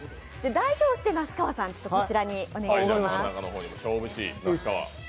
代表して那須川さん、こちらにお願いします。